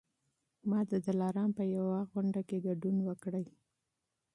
ما د دلارام په یوه غونډه کي ګډون وکړی